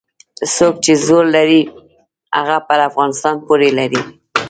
څوک چې زور لري هغه پر افغانستان پور لري.